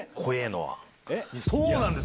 そうなんです。